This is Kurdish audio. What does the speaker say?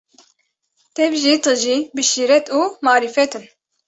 tev jî tijî bi şîret û marîfet in.